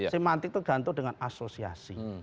semantik tergantung dengan asosiasi